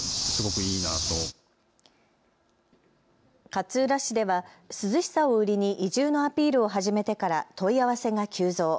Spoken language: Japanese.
勝浦市では涼しさを売りに移住のアピールを始めてから問い合わせが急増。